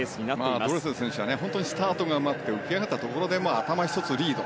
ドレセル選手はスタートがうまくて浮き上がったところで頭一つリード。